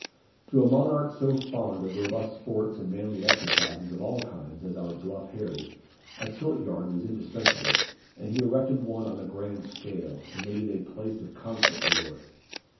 To a monarch so fond of robust sports and manly exercises of all kinds as our bluff Harry, a tilt yard was indispensable; and he erected one on a grand scale, and made it a place of constant resort.